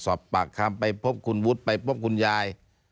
สอบปากคำไปพบคุณวุฒิไปพบคุณยาย